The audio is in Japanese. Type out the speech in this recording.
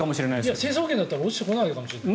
でも成層圏だったら落ちてこないかもしれない。